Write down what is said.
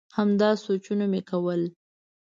همدا سوچونه مي کول ؟